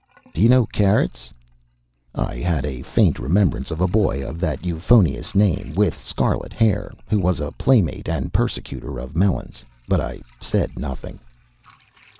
"Do you know Carrots?" I had a faint remembrance of a boy of that euphonious name, with scarlet hair, who was a playmate and persecutor of Melons. But I said nothing.